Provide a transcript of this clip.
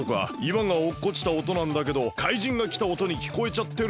わがおっこちたおとなんだけど怪人がきたおとにきこえちゃってるのかもしれない。